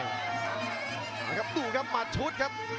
เอาละครับดูครับหมัดชุดครับ